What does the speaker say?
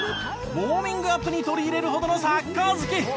ウォーミングアップに取り入れるほどのサッカー好き。